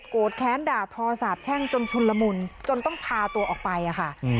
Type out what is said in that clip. แค้นด่าทอสาบแช่งจนชุนละมุนจนต้องพาตัวออกไปค่ะ